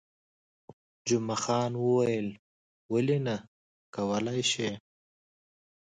جمعه خان وویل، ولې نه، کولای شئ.